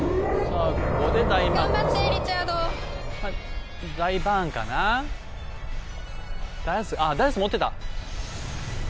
あっダイアース持ってた。